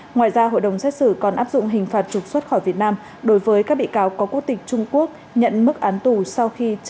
ngoài ra hội đồng xét xử còn áp dụng hình phạt trục xuất khỏi việt nam đối với các bị cáo có quốc tịch trung quốc